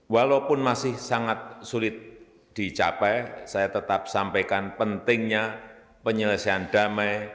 walaupun masih sangat sulit dicapai saya tetap sampaikan pentingnya penyelesaian damai